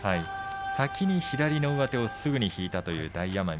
先に左の上手をすぐ引いたという大奄美。